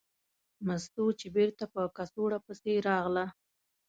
مستو چې بېرته په کڅوړه پسې راغله.